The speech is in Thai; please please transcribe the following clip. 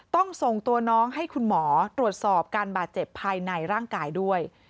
ต้องส่งตัวน้องให้คุณหมอตรวจสอบการบาดเจ็บภายในร่างกายด้วย